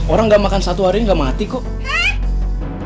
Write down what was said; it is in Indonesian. orang ga makan satu hari ini ga mati kok